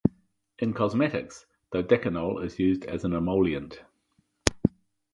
In cosmetics, dodecanol is used as an emollient.